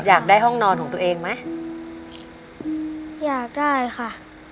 อยากได้ห้องนอนของตัวเองไหมอยากได้ค่ะ